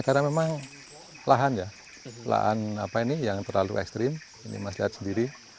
karena memang lahan ya lahan yang terlalu ekstrim ini mas lihat sendiri